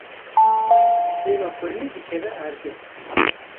Sêva kurmî dikeve erdê.